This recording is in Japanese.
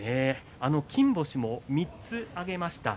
金星も３つ挙げました。